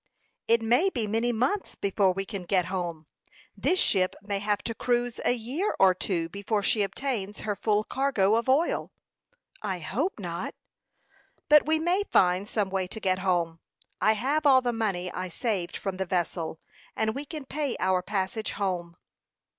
"It may be many months before we can get home. This ship may have to cruise a year or two before she obtains her full cargo of oil." "I hope not." "But we may find some way to get home. I have all the money I saved from the vessel, and we can pay our passage home."